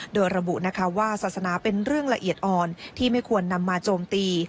โดยระบุนะคะว่าศาสนาเป็นเรื่องละเอียดอ่อนที่ไม่ควรนำมาโจมตี